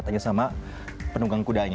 tanya sama penunggang kudanya